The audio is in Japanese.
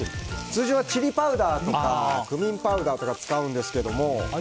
通常はチリパウダーとかクミンパウダーとかを使うんですけども。